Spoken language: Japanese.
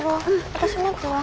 私持つわ。